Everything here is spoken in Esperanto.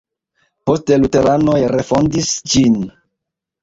Poste luteranoj refondis ĝin.